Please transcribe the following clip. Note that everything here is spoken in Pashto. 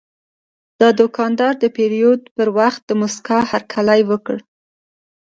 دا دوکاندار د پیرود پر وخت د موسکا هرکلی وکړ.